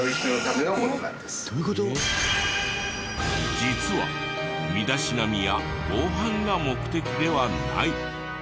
実は身だしなみや防犯が目的ではない。